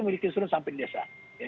memiliki instrumen sampai di desa